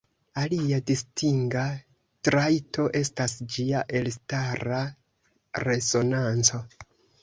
Alia distinga trajto estas ĝia elstara resonanco.